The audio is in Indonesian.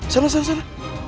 salah salah salah